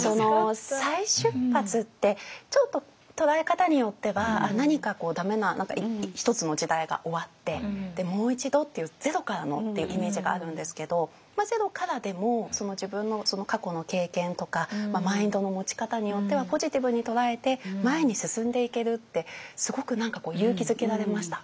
再出発ってちょっと捉え方によっては何か駄目な一つの時代が終わってもう一度っていうゼロからのっていうイメージがあるんですけどゼロからでも自分の過去の経験とかマインドの持ち方によってはポジティブに捉えて前に進んでいけるってすごく何か勇気づけられました。